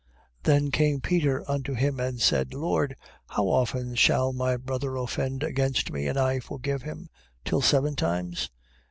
Then came Peter unto him and said: Lord, how often shall my brother offend against me, and I forgive him? till seven times?